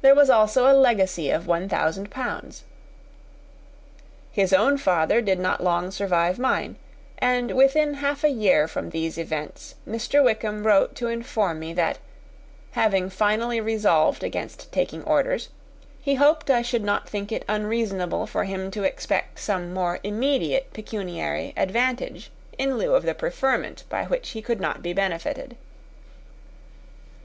There was also a legacy of one thousand pounds. His own father did not long survive mine; and within half a year from these events Mr. Wickham wrote to inform me that, having finally resolved against taking orders, he hoped I should not think it unreasonable for him to expect some more immediate pecuniary advantage, in lieu of the preferment, by which he could not be benefited.